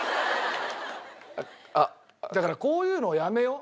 だからこういうのをやめよう。